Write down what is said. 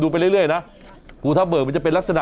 โอ้โฮ